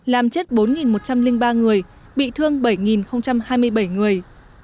làm chết bốn một trăm linh ba người bị thương bảy hai mươi bảy người